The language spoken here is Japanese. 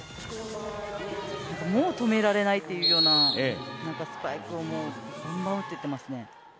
もう止められないというようなスパイクをバンバン打っていってますね。